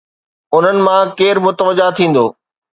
انهن مان ڪير متوجه ٿيندو؟